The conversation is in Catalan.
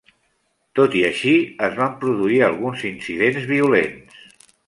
Tot i així, es van produir alguns incidents violents.